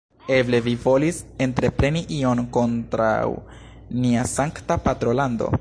Eble vi volis entrepreni ion kontraŭ nia sankta patrolando?